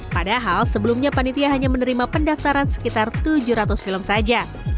padahal sebelumnya panitia hanya menerima pendaftaran sekitar tujuh ratus film saja